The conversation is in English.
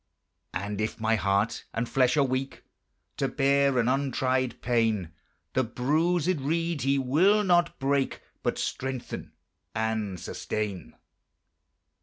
And if my heart and flesh are weak To bear an untried pain, The bruisèd reed He will not break, But strengthen and sustain.